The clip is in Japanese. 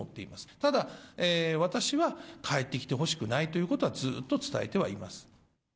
ただ、私は帰ってきてほしくないということは、ずっと伝えてはい